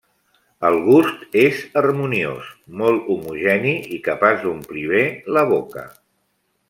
El gust és harmoniós, molt homogeni i capaç d'omplir bé la boca.